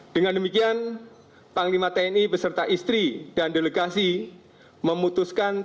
dengan demikian panglima tni beserta istri dan delegasi memutuskan